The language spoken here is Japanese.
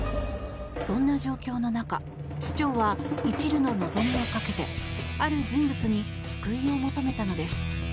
そんな状況の中市長は、いちるの望みをかけてある人物に救いを求めたのです。